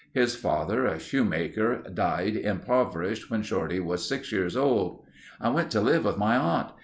His father, a shoemaker, died impoverished when Shorty was six years old. "... I went to live with my aunt.